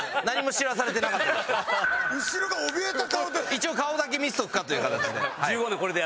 一応顔だけ見せておくかという形で。